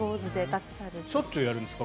しょっちゅうやるんですか？